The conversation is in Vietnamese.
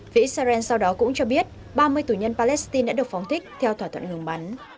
phía israel sau đó cũng cho biết ba mươi tù nhân palestine đã được phóng thích theo thỏa thuận ngừng bắn